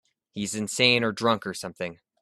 He's insane or drunk or something.